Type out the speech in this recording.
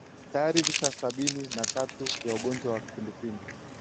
tayari visa sabini na tatu vya ugonjwa wa kipindupindu